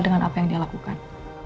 dengan apa yang dia lakukan